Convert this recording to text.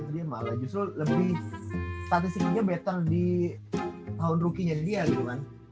dia malah justru lebih statistiknya better di tahun rukinya dia gitu kan